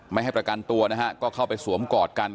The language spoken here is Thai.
ไม่ให้ประกันตัวนะฮะก็เข้าไปสวมกอดกัน